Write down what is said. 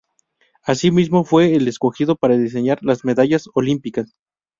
Asimismo, fue el escogido para diseñar las medallas olímpicas.